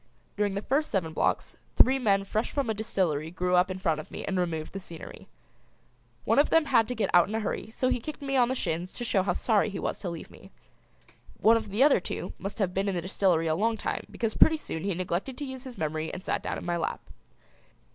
During the first seven blocks three men fresh from a distillery grew up in front of me and removed the scenery. One of them had to get out in a hurry so he kicked me on the shins to show how sorry he was to leave me. One of the other two must have been in the distillery a long time because pretty soon he neglected to use his memory and sat down in my lap.